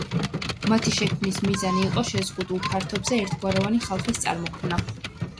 მათი შექმნის მიზანი იყო შეზღუდულ ფართობზე ერთგვაროვანი ხალხის წარმოქმნა.